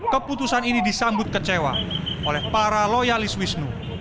keputusan ini disambut kecewa oleh para loyalis wisnu